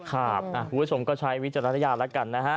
คุณผู้ชมก็ใช้วิจารณญาณแล้วกันนะฮะ